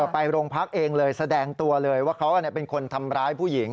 ไปโรงพักเองเลยแสดงตัวเลยว่าเขาเป็นคนทำร้ายผู้หญิง